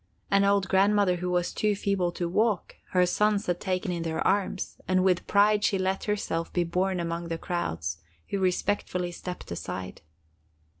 An old grandmother who was too feeble to walk her sons had taken in their arms, and with pride she let herself be borne among the crowds, who respectfully stepped aside.